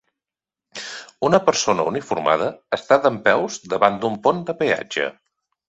Una persona uniformada està dempeus davant d'un pont de peatge